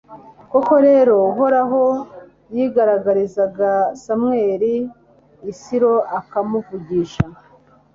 koko rero, uhoraho yigaragarizaga samweli i silo, akamuvugisha